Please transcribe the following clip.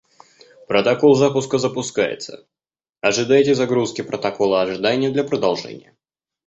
Протокол запуска запускается, ожидайте загрузки протокола ожидания для продолжения.